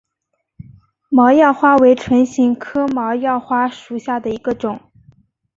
毛药花为唇形科毛药花属下的一个种。